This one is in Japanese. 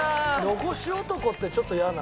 残し男ってちょっと嫌な。